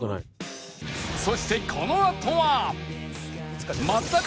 そしてこのあとは！